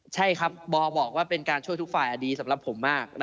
ใช่ครับบอบอกว่าเป็นการช่วยทุกฝ่ายดีสำหรับผมมาก